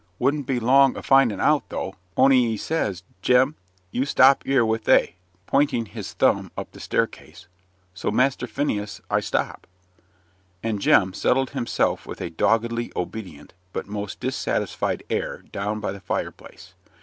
wouldn't be long a finding out, though on'y he says: 'Jem, you stop 'ere wi' they'" (pointing his thumb up the staircase). "So, Master Phineas, I stop." And Jem settled himself with a doggedly obedient, but most dissatisfied air down by the fire place.